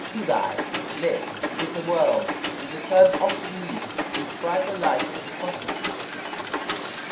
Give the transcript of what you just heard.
Kugai (lit.: "bitter world") is a term often used to describe the life of a prostitute.